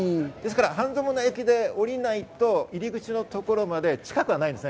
半蔵門の駅で降りないと入り口のところまで近くはないです。